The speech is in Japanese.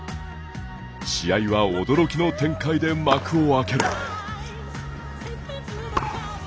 試合は驚きの展開で幕を開ける。